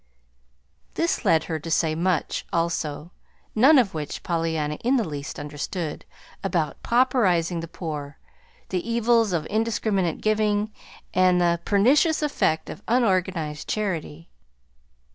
This led her to say much, also (none of which Pollyanna in the least understood), about "pauperizing the poor," the "evils of indiscriminate giving," and the "pernicious effect of unorganized charity."